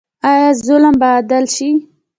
آیا ظلم به عدل شي؟